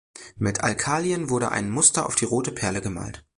Mit Alkalien wurde ein Muster auf die rote Perle gemalt.